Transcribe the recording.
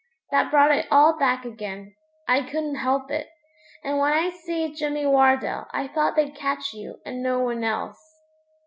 That brought it all back again. I couldn't help it, and when I see Jimmy Wardell I thought they'd catch you and no one else.'